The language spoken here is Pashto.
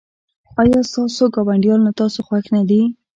ایا ستاسو ګاونډیان له تاسو خوښ نه دي؟